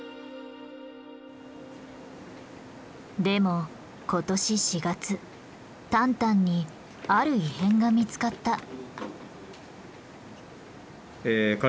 でも今年４月タンタンにある異変が見つかった。